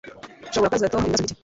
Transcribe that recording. Nshobora kubaza Tom ibibazo bike